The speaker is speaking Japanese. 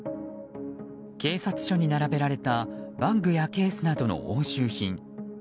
警察署に並べられたバッグやケースなどの押収品。